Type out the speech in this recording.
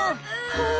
はあ。